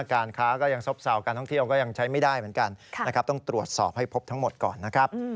การค้าก็ยังซบเซาการท่องเที่ยวก็ยังใช้ไม่ได้เหมือนกันนะครับต้องตรวจสอบให้พบทั้งหมดก่อนนะครับ